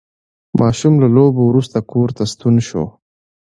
ماشوم له لوبو وروسته کور ته ستون شو